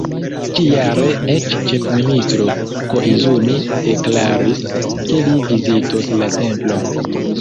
Ĉi-jare eĉ ĉefministro Koizumi deklaris, ke li vizitos la templon.